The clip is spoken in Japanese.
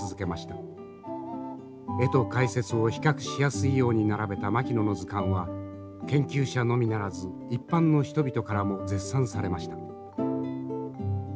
絵と解説を比較しやすいように並べた牧野の図鑑は研究者のみならず一般の人々からも絶賛されました。